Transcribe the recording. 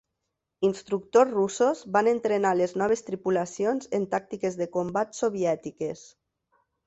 Instructors russos van entrenar a les noves tripulacions en tàctiques de combat soviètiques.